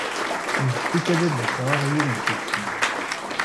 Yessefk ad d-sɣeɣ yiwen seg-sen.